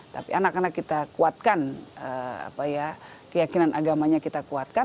tapi anak anak kita kuatkan keyakinan agamanya kita kuatkan